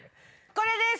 これです！